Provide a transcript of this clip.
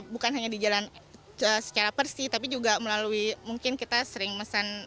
bukan hanya di jalan secara persi tapi juga melalui mungkin kita sering mesan